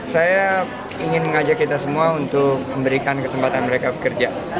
saya ingin mengajak kita semua untuk memberikan kesempatan mereka bekerja